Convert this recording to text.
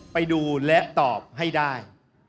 ไปดูและตอบให้ได้